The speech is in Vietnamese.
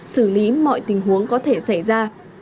xử lý mọi tình huống có thể xảy ra